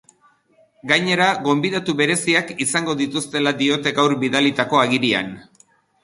Gainera, gonbidatu bereziak izango dituztela diote gaur bidalitako agirian.